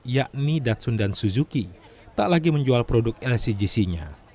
yakni datsun dan suzuki tak lagi menjual produk lcgc nya